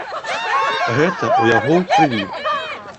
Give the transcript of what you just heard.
Гэта ў яго ў крыві.